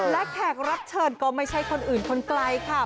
และแขกรับเชิญก็ไม่ใช่คนอื่นคนไกลค่ะ